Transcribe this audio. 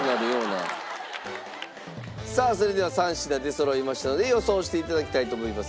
さあそれでは３品出そろいましたので予想していただきたいと思います。